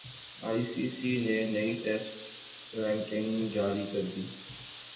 ئی C C نے نئی ٹیسٹ رینکنگ جاری کردی